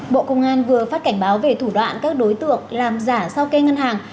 bộ công an vừa phát cảnh báo về thủ đoạn các đối tượng làm giả sau kê ngân hàng